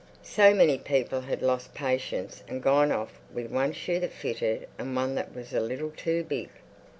So many people had lost patience and gone off with one shoe that fitted and one that was a little too big....